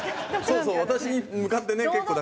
そうそう私に向かって。